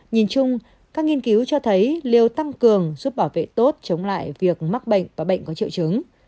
nhìn chung các nghiên cứu cho thấy liều tăng cường giúp bảo vệ tốt chống lại việc mắc bệnh và bệnh có triệu chứng